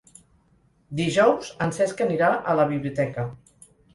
Dijous en Cesc anirà a la biblioteca.